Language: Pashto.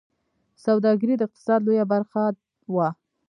سوداګري د اقتصاد لویه برخه وه